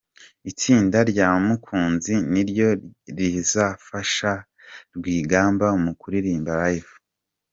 Itsinda rya Mukunzi ni ryo rizafasha Rwigamba mu kuririmba Live